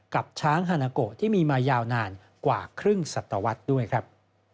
กับช้างฮานาโกที่มีมายาวนานกว่าครึ่งสัตวรรษด้วยครับ